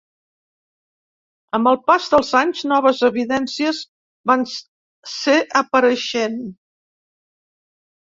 Amb el pas dels anys, noves evidències van ser apareixent.